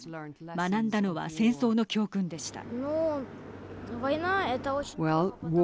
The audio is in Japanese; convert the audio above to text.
学んだのは戦争の教訓でした。